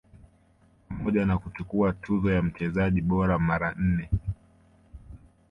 pamoja na kuchukua tuzo ya mchezaji bora mara nne